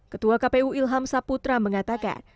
ketua kpu ilham saputra mengatakan